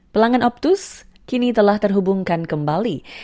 pelanggan optus kini telah terhubungkan kembali